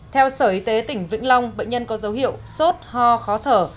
theo sở y tế tỉnh vĩnh long bệnh nhân có dấu hiệu sốt ho khó thở